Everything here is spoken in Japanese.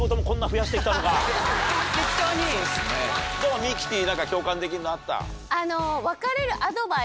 ミキティ共感できるのあった？